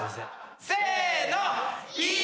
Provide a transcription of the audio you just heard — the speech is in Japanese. せの！